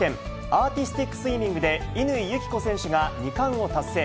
アーティスティックスイミングで、乾友紀子選手が２冠を達成。